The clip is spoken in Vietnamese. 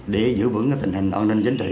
để giữ vững tình hình an ninh chính trị